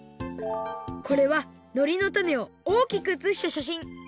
これはのりの種をおおきくうつしたしゃしん。